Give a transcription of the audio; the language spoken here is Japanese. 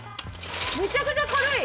めちゃくちゃ軽い。